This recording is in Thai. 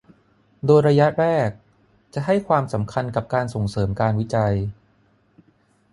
โดยระยะแรกจะให้ความสำคัญกับการส่งเสริมการวิจัย